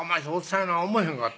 やな思えへんかった？